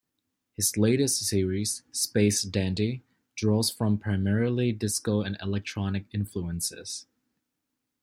His latest series, "Space Dandy", draws from primarily disco and electronic influences.